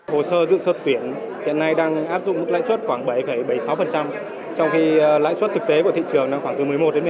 hồ sơ dự sơ tuyển hiện nay đang áp dụng mức lãi suất khoảng bảy bảy mươi sáu trong khi lãi suất thực tế của thị trường khoảng từ một mươi một một mươi